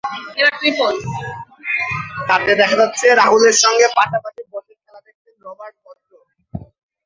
তাতে দেখা যাচ্ছে, রাহুলের সঙ্গে পাশাপাশি বসে খেলা দেখছেন রবার্ট ভদ্র।